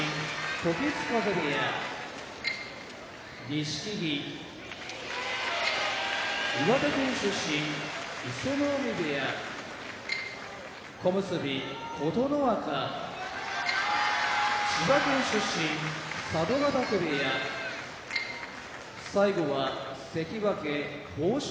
時津風部屋錦木岩手県出身伊勢ノ海部屋小結・琴ノ若千葉県出身佐渡ヶ嶽部屋関脇豊昇